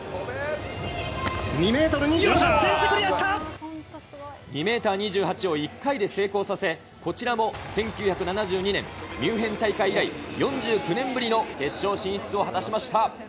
２メートル２８センチ、２メーター２８を１回で成功させ、こちらも１９７２年、ミュンヘン大会以来、４９年ぶりの決勝進出を果たしました。